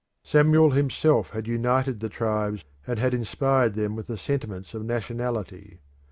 Samuel himself had united the tribes, and had inspired them with the sentiments of nationality.